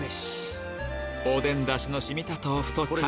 おでん出汁の染みた豆腐と茶